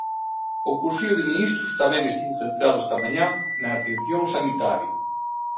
O Consello de Ministros tamén estivo centrado esta mañá na atención sanitaria.